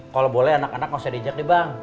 kalo boleh anak anak gausah dijak nih bang